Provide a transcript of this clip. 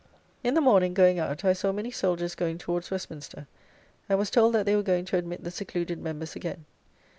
In the morning going out I saw many soldiers going towards Westminster, and was told that they were going to admit the secluded members again.